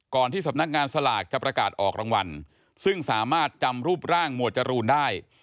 ที่สำนักงานสลากจะประกาศออกรางวัลซึ่งสามารถจำรูปร่างหมวดจรูนได้